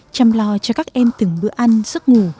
chăm lo cho các em từng bữa ăn giấc ngủ